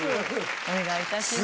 お願いいたします